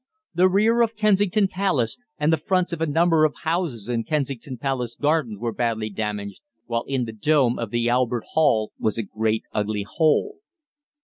The rear of Kensington Palace, and the fronts of a number of houses in Kensington Palace Gardens were badly damaged, while in the dome of the Albert Hall was a great, ugly hole.